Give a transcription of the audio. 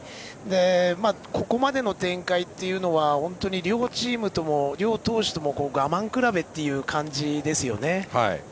ここまでの展開というのは本当に両チームとも、両投手とも我慢比べという感じですよね。